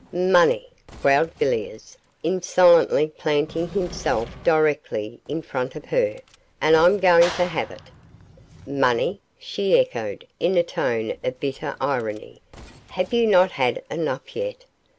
'Money!' growled Villiers, insolently planting himself directly in front of her, 'and I'm going to have it.' 'Money!' she echoed, in a tone of bitter irony; 'have you not had enough yet?